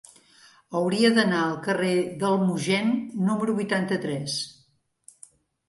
Hauria d'anar al carrer del Mogent número vuitanta-tres.